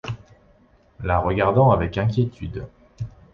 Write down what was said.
La regardant avec inquiétude.